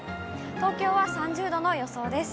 東京は３０度の予想です。